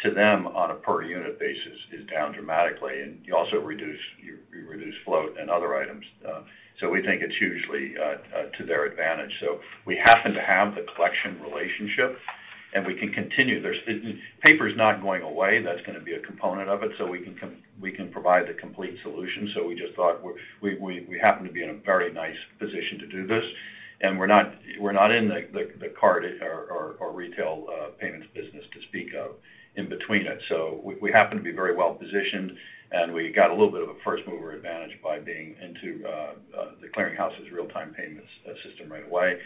to them on a per unit basis is down dramatically and you also reduce float and other items. We think it's hugely to their advantage. We happen to have the collection relationship and we can continue. Paper's not going away. That's going to be a component of it. We can provide the complete solution. We just thought we happen to be in a very nice position to do this and we're not in the card or retail payments business to speak of in between it. We happen to be very well positioned and we got a little bit of a first mover advantage by being into The Clearing House's real-time payments system right away.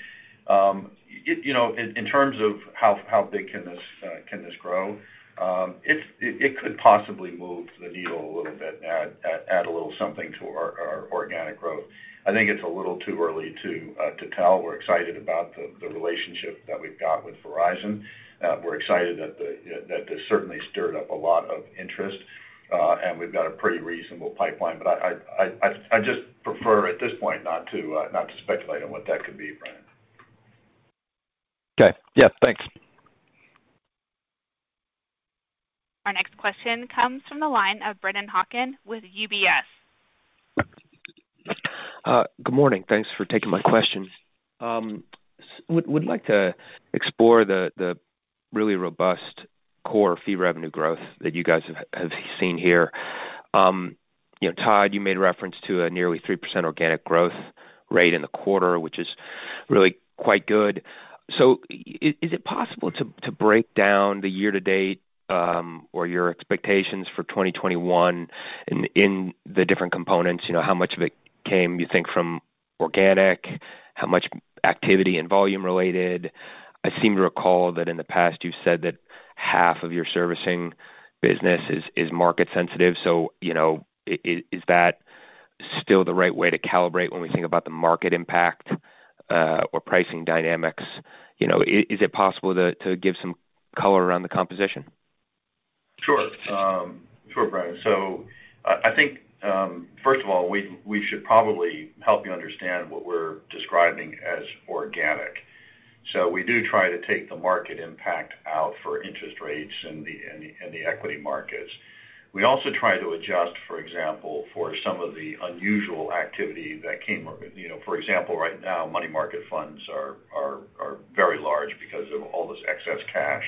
In terms of how big can this grow? It could possibly move the needle a little bit and add a little something to our organic growth. I think it's a little too early to tell. We're excited about the relationship that we've got with Verizon. We're excited that this certainly stirred up a lot of interest, and we've got a pretty reasonable pipeline. I just prefer at this point not to speculate on what that could be, Jim. Okay. Yeah, thanks. Our next question comes from the line of Brennan Hawken with UBS. Good morning. Thanks for taking my question. Would like to explore the really robust core fee revenue growth that you guys have seen here. Todd, you made reference to a nearly 3% organic growth rate in the quarter, which is really quite good. Is it possible to break down the year to date, or your expectations for 2021 in the different components? How much of it came you think from organic? How much activity and volume related? I seem to recall that in the past you said that half of your servicing business is market sensitive. Is that still the right way to calibrate when we think about the market impact, or pricing dynamics? Is it possible to give some color around the composition? Sure. Sure, Brennan. I think, first of all, we should probably help you understand what we're describing as organic. We do try to take the market impact out for interest rates and the equity markets. We also try to adjust, for example, for some of the unusual activity that came. For example, right now money market funds are very large because of all this excess cash.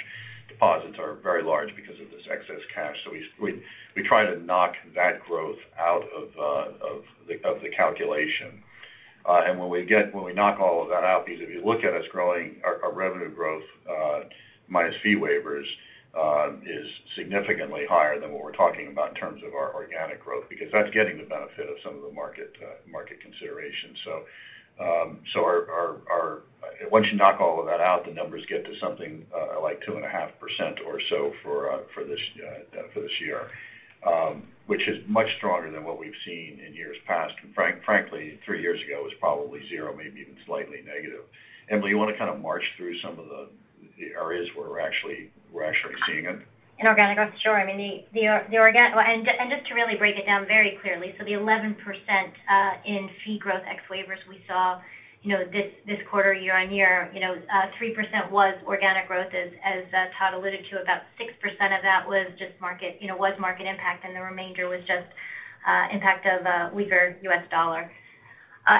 Deposits are very large because of this excess cash. We try to knock that growth out of the calculation. When we knock all of that out, because if you look at us growing our revenue growth, minus fee waivers, is significantly higher than what we're talking about in terms of our organic growth because that's getting the benefit of some of the market consideration. Once you knock all of that out, the numbers get to something like 2.5% or so for this year. Which is much stronger than what we've seen in years past. Frankly, three years ago was probably zero, maybe even slightly negative. Emily, you want to kind of march through some of the areas where we're actually seeing it? In organic growth? Sure. Just to really break it down very clearly. The 11% in fee growth ex waivers we saw this quarter year-on-year, 3% was organic growth as Todd alluded to. About 6% of that was market impact and the remainder was just impact of a weaker U.S. dollar.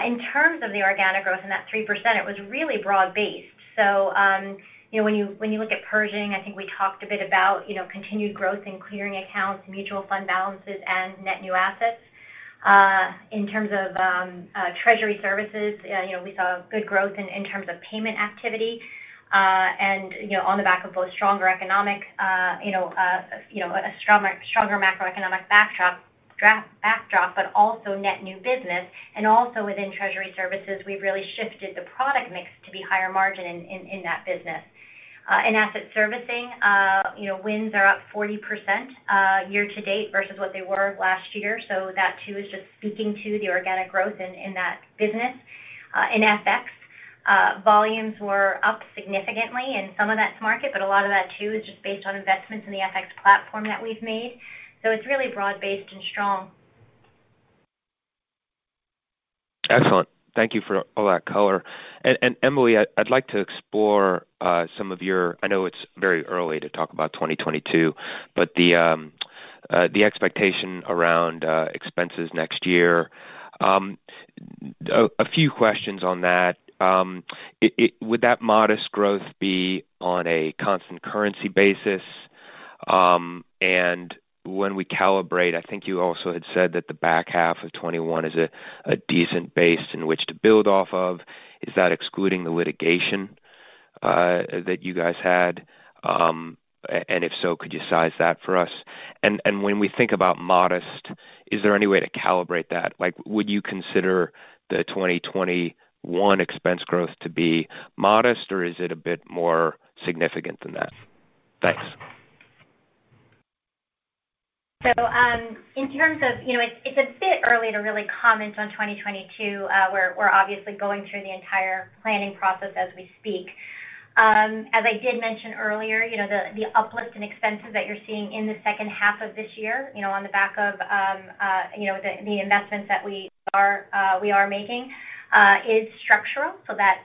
In terms of the organic growth in that 3%, it was really broad-based. When you look at Pershing, I think we talked a bit about continued growth in clearing accounts, mutual fund balances, and net new assets. In terms of treasury services, we saw good growth in terms of payment activity. On the back of both stronger macroeconomic backdrop, but also net new business. Also within treasury services, we've really shifted the product mix to be higher margin in that business. In asset servicing, wins are up 40% year to date versus what they were last year. That too is just speaking to the organic growth in that business. In FX, volumes were up significantly in some of that market, a lot of that too is just based on investments in the FX platform that we've made. It's really broad based and strong. Excellent. Thank you for all that color. Emily, I'd like to explore. I know it's very early to talk about 2022, but the expectation around expenses next year. A few questions on that. Would that modest growth be on a constant currency basis? When we calibrate, I think you also had said that the back half of 2021 is a decent base in which to build off of. Is that excluding the litigation that you guys had? If so, could you size that for us? When we think about modest, is there any way to calibrate that? Would you consider the 2021 expense growth to be modest, or is it a bit more significant than that? Thanks. It's a bit early to really comment on 2022. We're obviously going through the entire planning process as we speak. As I did mention earlier, the uplift in expenses that you're seeing in the second half of this year on the back of the investments that we are making is structural,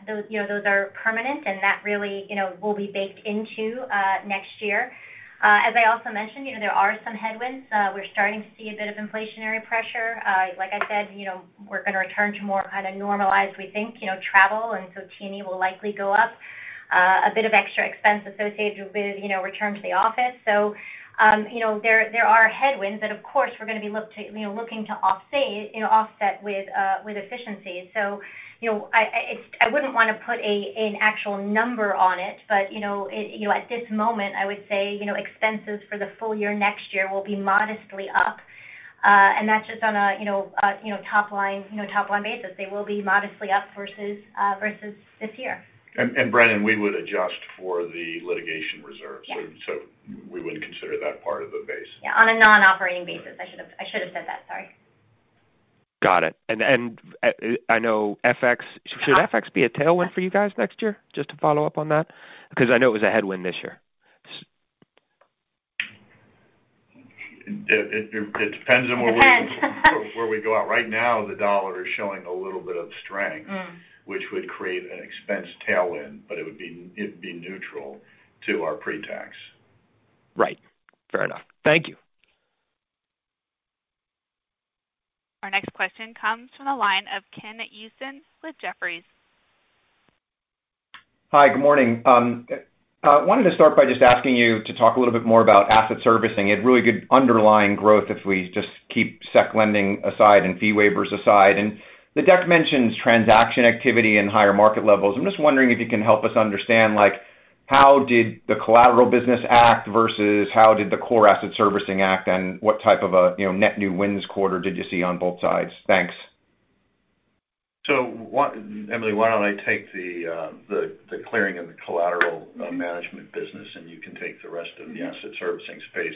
those are permanent, and that really will be baked into next year. As I also mentioned, there are some headwinds. We're starting to see a bit of inflationary pressure. Like I said, we're going to return to more kind of normalized, we think, travel, T&E will likely go up. A bit of extra expense associated with return to the office. There are headwinds that, of course, we're going to be looking to offset with efficiencies. I wouldn't want to put an actual number on it. At this moment, I would say, expenses for the full year next year will be modestly up. That's just on a top-line basis. They will be modestly up versus this year. Brennan, we would adjust for the litigation reserve. Yeah. We would consider that part of the base. Yeah. On a non-operating basis. I should have said that, sorry. Got it. I know FX. Should FX be a tailwind for you guys next year? Just to follow up on that, because I know it was a headwind this year. It depends on where we go out. Right now, the dollar is showing a little bit of strength, which would create an expense tailwind, but it would be neutral to our pre-tax. Right. Fair enough. Thank you. Our next question comes from the line of Ken Usdin with Jefferies. Hi, good morning. I wanted to start by just asking you to talk a little bit more about asset servicing. It really could underlying growth if we just keep securities lending aside and fee waivers aside. The deck mentions transaction activity and higher market levels. I'm just wondering if you can help us understand how did the collateral business act versus how did the core asset servicing act, and what type of a net new wins quarter did you see on both sides? Thanks. Emily, why don't I take the clearing and the collateral management business, and you can take the rest of the asset servicing space.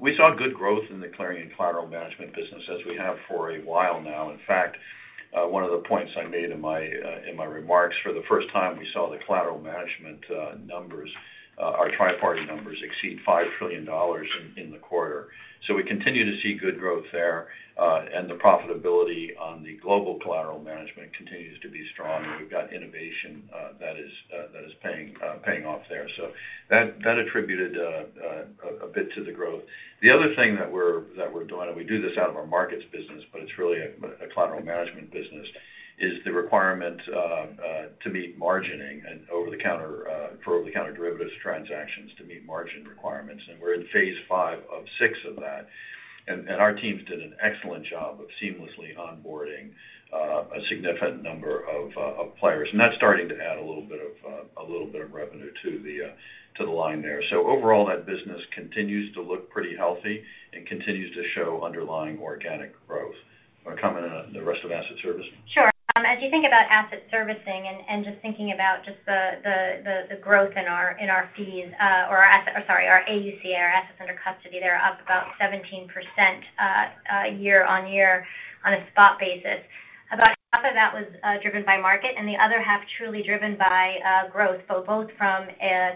We saw good growth in the clearing and collateral management business as we have for a while now. In fact, one of the points I made in my remarks, for the first time, we saw the collateral management numbers, our tri-party numbers exceed $5 trillion in the quarter. We continue to see good growth there. The profitability on the global collateral management continues to be strong. We've got innovation that is paying off there. That attributed a bit to the growth. The other thing that we're doing, and we do this out of our markets business, but it's really a collateral management business, is the requirement to meet margining and for over-the-counter derivatives transactions to meet margin requirements. We're in phase V of VI of that. Our teams did an excellent job of seamlessly onboarding a significant number of players. That's starting to add a little bit of revenue to the line there. Overall, that business continues to look pretty healthy and continues to show underlying organic growth. Want to comment on the rest of asset servicing? Sure. As you think about asset servicing and just thinking about just the growth in our fees or our, sorry, our AUC, our Assets Under Custody, they're up about 17% year-on-year on a spot basis. About half of that was driven by market and the other half truly driven by growth, both from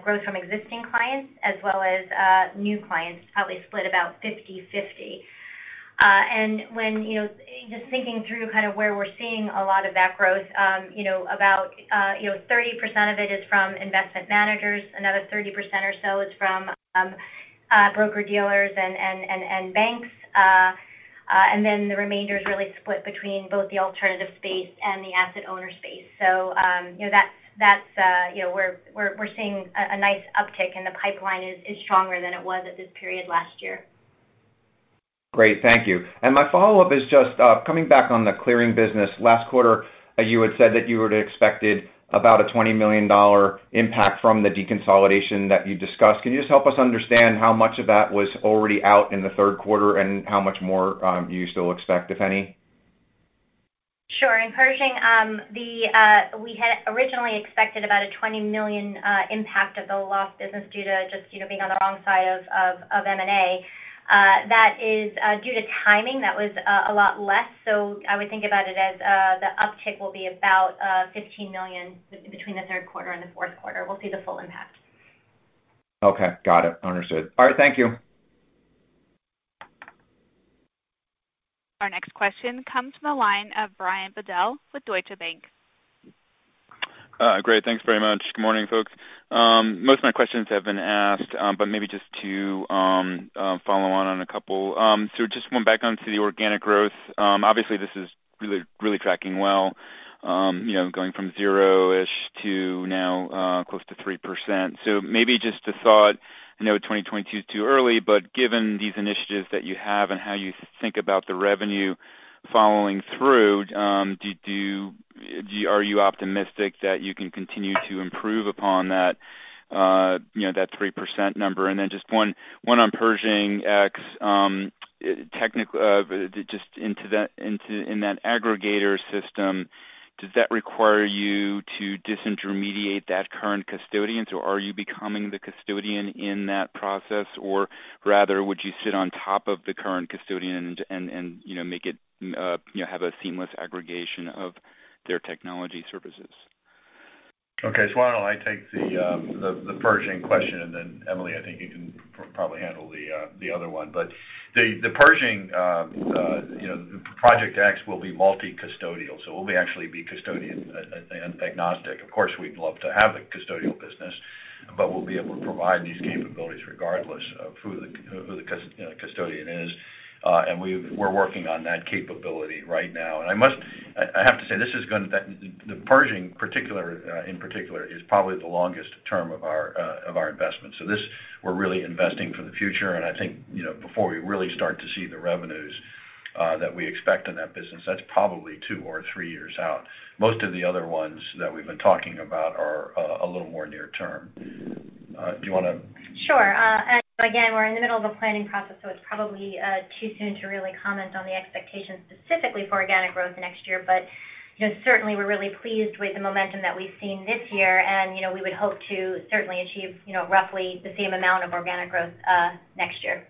growth from existing clients as well as new clients, probably split about 50/50. Just thinking through kind of where we're seeing a lot of that growth, about 30% of it is from investment managers. Another 30% or so is from broker-dealers and banks. The remainder is really split between both the alternative space and the asset owner space. We're seeing a nice uptick, and the pipeline is stronger than it was at this period last year. Great. Thank you. My follow-up is just coming back on the clearing business. Last quarter, you had said that you would've expected about a $20 million impact from the deconsolidation that you discussed. Can you just help us understand how much of that was already out in the third quarter and how much more you still expect, if any? Sure. In Pershing, we had originally expected about a $20 million impact of the lost business due to just being on the wrong side of M&A. That is due to timing. That was a lot less. I would think about it as the uptick will be about $15 million between the third quarter and the fourth quarter. We'll see the full impact. Okay. Got it. Understood. All right. Thank you. Our next question comes from the line of Brian Bedell with Deutsche Bank. Great. Thanks very much. Good morning, folks. Most of my questions have been asked, but maybe just to follow on on a couple. Just going back onto the organic growth. Obviously, this is really tracking well, going from zero-ish to now close to 3%. Maybe just a thought. I know 2022's too early, but given these initiatives that you have and how you think about the revenue following through, are you optimistic that you can continue to improve upon that 3% number? Just one on Pershing X. Just in that aggregator system, does that require you to disintermediate that current custodian, so are you becoming the custodian in that process? Rather, would you sit on top of the current custodian and have a seamless aggregation of their technology services? So, I'll, take the Pershing question, and then Emily, I think you can probably handle the other one. The Pershing X will be multi-custodial, so we'll actually be custodian-agnostic. Of course, we'd love to have the custodial business, but we'll be able to provide these capabilities regardless of who the custodian is. We're working on that capability right now. I have to say, the Pershing in particular, is probably the longest term of our investment. This, we're really investing for the future, and I think before we really start to see the revenues that we expect in that business, that's probably two or three years out. Most of the other ones that we've been talking about are a little more near term. Do you want to- Sure. Again, we're in the middle of a planning process, so it's probably too soon to really comment on the expectations specifically for organic growth next year. Certainly, we're really pleased with the momentum that we've seen this year, and we would hope to certainly achieve roughly the same amount of organic growth next year.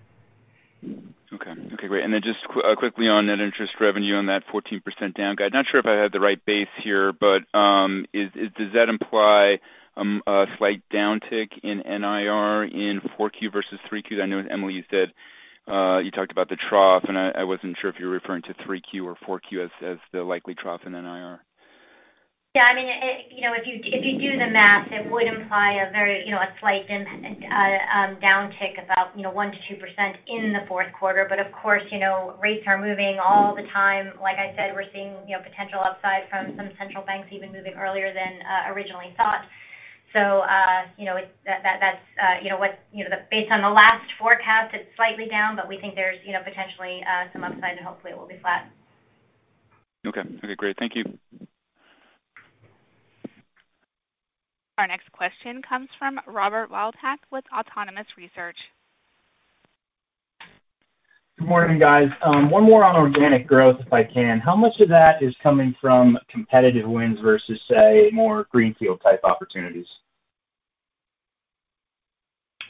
Okay. Great. Then just quickly on net interest revenue, on that 14% down guide. Not sure if I have the right base here, but does that imply a slight downtick in NIR in 4Q versus 3Q? I know, Emily, you talked about the trough, and I wasn't sure if you were referring to 3Q or 4Q as the likely trough in NIR. Yeah. If you do the math, it would imply a slight downtick, about 1%-2% in the fourth quarter. Of course, rates are moving all the time. Like I said, we're seeing potential upside from some central banks even moving earlier than originally thought. Based on the last forecast, it's slightly down, but we think there's potentially some upside, and hopefully it will be flat. Okay. Great. Thank you. Our next question comes from Robert Wildhack with Autonomous Research. Good morning, guys. One more on organic growth, if I can. How much of that is coming from competitive wins versus, say, more greenfield-type opportunities?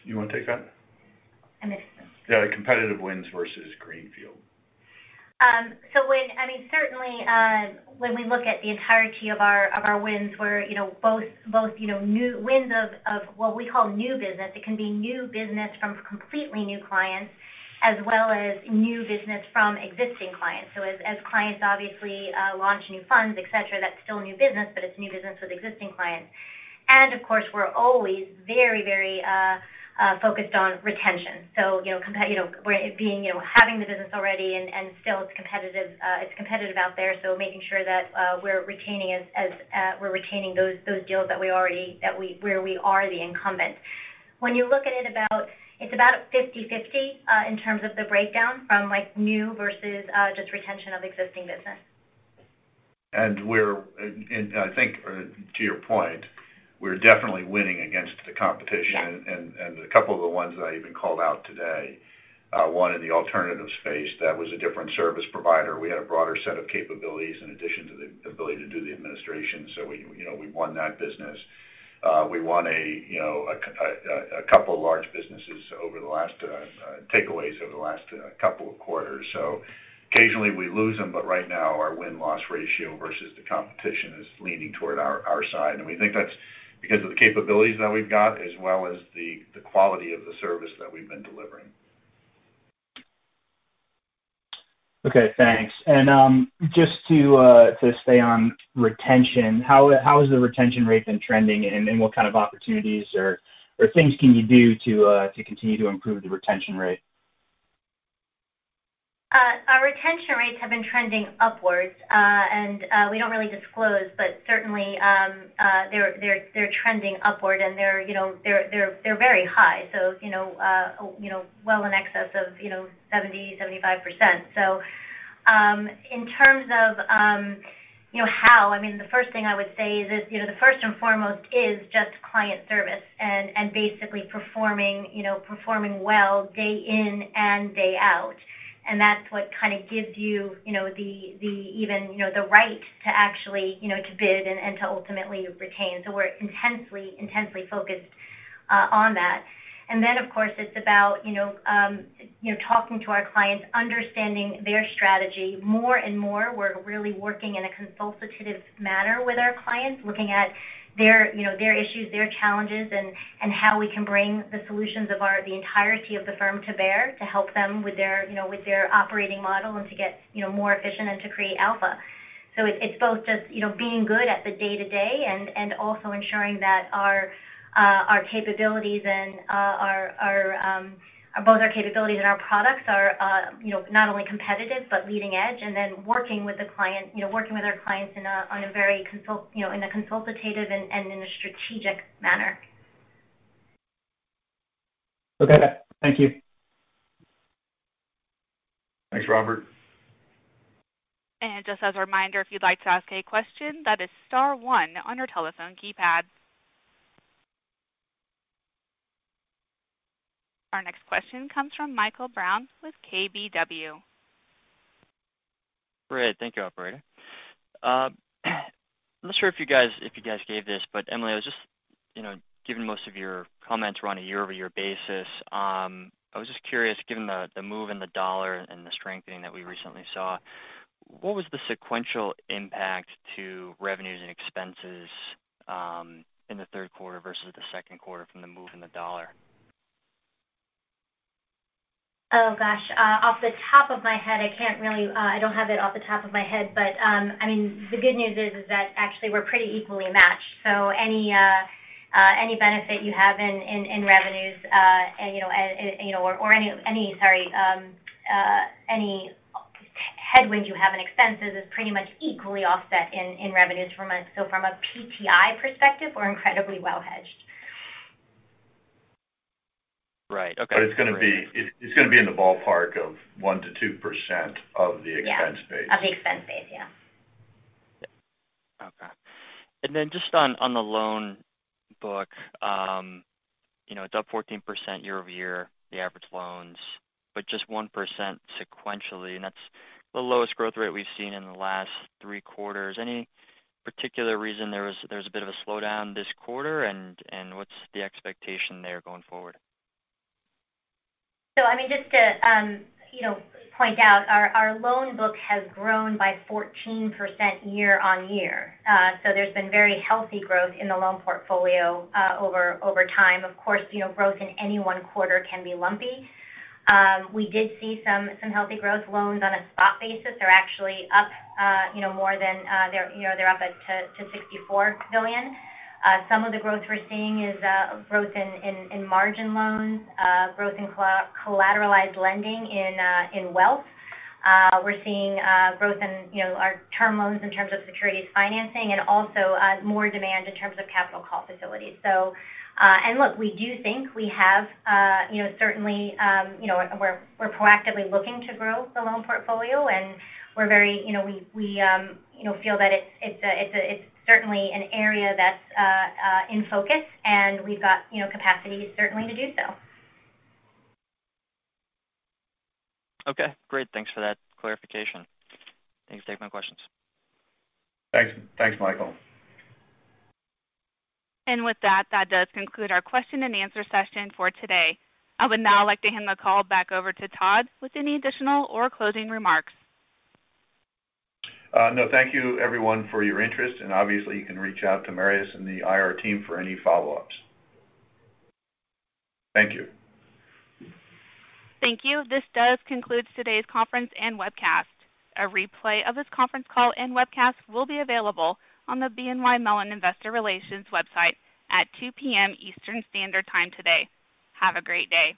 You want to take that? I missed it. Yeah, competitive wins versus greenfield. Certainly when we look at the entirety of our wins, where both wins of what we call new business, it can be new business from completely new clients, as well as new business from existing clients. As clients obviously launch new funds, et cetera, that's still new business, but it's new business with existing clients. Of course, we're always very focused on retention. Having the business already and still it's competitive out there, so making sure that we're retaining those deals where we are the incumbent. When you look at it's about 50-50 in terms of the breakdown from new versus just retention of existing business. I think to your point, we're definitely winning against the competition. Yeah. A couple of the ones that I even called out today. One in the alternative space, that was a different service provider. We had a broader set of capabilities in addition to the ability to do the administration. We won that business. We won a couple of large takeaways over the last couple of quarters. Occasionally we lose them, but right now our win-loss ratio versus the competition is leaning toward our side. We think that's because of the capabilities that we've got as well as the quality of the service that we've been delivering. Okay. Thanks. Just to stay on retention, how has the retention rate been trending, and what kind of opportunities or things can you do to continue to improve the retention rate? Our retention rates have been trending upwards. We don't really disclose, but certainly they're trending upward, and they're very high. Well in excess of 70%-75%. In terms of how, the first thing I would say is that the first and foremost is just client service and basically performing well day in and day out. That's what gives you the right to actually to bid and to ultimately retain. We're intensely focused on that. Then, of course, it's about talking to our clients, understanding their strategy. More and more, we're really working in a consultative manner with our clients, looking at their issues, their challenges, and how we can bring the solutions of the entirety of the firm to bear to help them with their operating model and to get more efficient and to create alpha. It's both just being good at the day-to-day and also ensuring that both our capabilities and our products are not only competitive but leading edge. Working with our clients in a consultative and in a strategic manner. Okay. Thank you. Thanks, Robert. Just as a reminder, if you'd like to ask a question, that is star one on your telephone keypad. Our next question comes from Michael Brown with KBW. Great. Thank you, operator. I'm not sure if you guys gave this, but Emily, given most of your comments were on a year-over-year basis, I was just curious, given the move in the dollar and the strengthening that we recently saw, what was the sequential impact to revenues and expenses in the third quarter versus the second quarter from the move in the dollar? Oh, gosh. I don't have it off the top of my head. The good news is that actually we're pretty equally matched. Any benefit you have in revenues or any headwind you have in expenses is pretty much equally offset in revenues from us. From a PTI perspective, we're incredibly well hedged. Right. Okay. It's going to be in the ballpark of 1%-2% of the expense base. Yeah. Of the expense base. Yeah. Okay. Then just on the loan book. It's up 14% year-over-year, the average loans, but just 1% sequentially. That's the lowest growth rate we've seen in the last three quarters. Any particular reason there's a bit of a slowdown this quarter, and what's the expectation there going forward? Just to point out, our loan book has grown by 14% year-on-year. There's been very healthy growth in the loan portfolio over time. Of course, growth in any one quarter can be lumpy. We did see some healthy growth loans on a spot basis. They're up to $64 billion. Some of the growth we're seeing is growth in margin loans, growth in collateralized lending in wealth. We're seeing growth in our term loans in terms of securities financing and also more demand in terms of capital call facilities. Look, we do think we're proactively looking to grow the loan portfolio, and we feel that it's certainly an area that's in focus, and we've got capacity certainly to do so. Okay, great. Thanks for that clarification. Thanks. Take my questions. Thanks, Michael. With that does conclude our question and answer session for today. I would now like to hand the call back over to Todd with any additional or closing remarks. No. Thank you everyone for your interest. Obviously, you can reach out to Marius and the IR team for any follow-ups. Thank you. Thank you. This does conclude today's conference and webcast. A replay of this conference call and webcast will be available on the BNY Mellon Investor Relations website at 2:00 P.M. Eastern Standard Time today. Have a great day.